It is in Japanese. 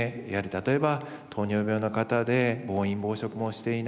例えば糖尿病の方で暴飲暴食もしていない。